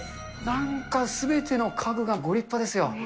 なんかすべての家具がご立派ですよ。